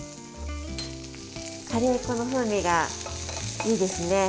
カレー粉の風味がいいですね。